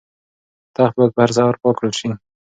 تخت باید په هره سهار پاک کړل شي.